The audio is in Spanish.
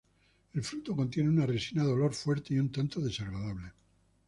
El fruto contiene una resina de olor fuerte y un tanto desagradable.